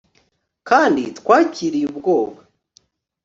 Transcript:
kandi twakiriye ubwoba